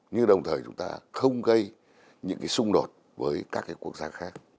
nhưng đồng thời chúng ta không gây những cái xung đột với các cái quốc gia khác